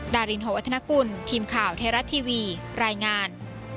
ดารินหอวัฒนกุลทีมข่าวไทยรัฐทีวีรายงาน